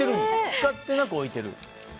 使ってなく置いてる？